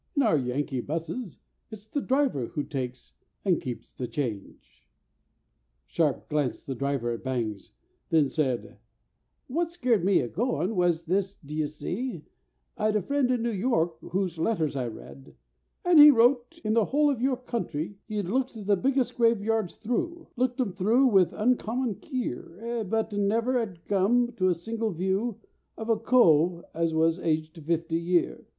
"In our Yankee 'busses It's the driver who takes (and keeps) the change!" Sharp glanced the driver at Bangs; then said, "What scared me of goin' was this, d'ye see,— I'd a friend in New York, whose letters I read; And he wrote: In the whole of your country, He 'ad looked the biggest graveyards through, Looked 'em through with uncommon keer, But never 'ad come to a single view Of a cove as wos aged fifty year.